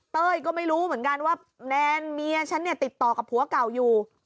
เต้ยก็ไม่รู้เหมือนกันว่าแนนเมียฉันเนี่ยติดต่อกับผัวเก่าอยู่